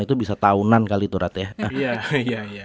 itu bisa tahunan kali tuh rat ya